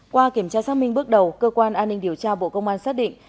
qua kiểm tra xác minh bước đầu cơ quan an ninh điều tra bộ công an xác định